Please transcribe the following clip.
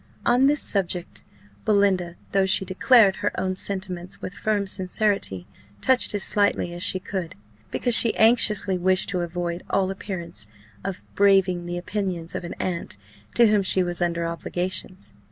On this subject Belinda, though she declared her own sentiments with firm sincerity, touched as slightly as she could, because she anxiously wished to avoid all appearance of braving the opinions of an aunt to whom she was under obligations.